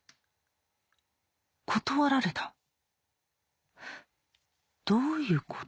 断られたどういうこと？